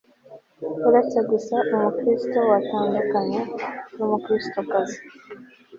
uretse gusa umukristo watandukanye n'umukristokazi